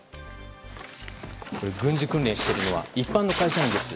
これ、軍事訓練しているのは一般の会社員です。